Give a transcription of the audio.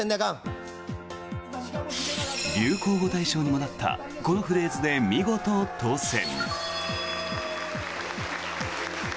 流行語大賞にもなったこのフレーズで見事当選。